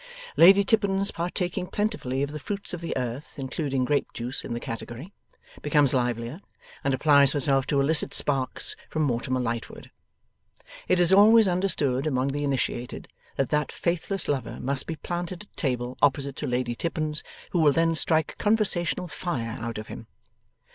Lady Tippins partaking plentifully of the fruits of the earth (including grape juice in the category) becomes livelier, and applies herself to elicit sparks from Mortimer Lightwood. It is always understood among the initiated, that that faithless lover must be planted at table opposite to Lady Tippins, who will then strike conversational fire out of him.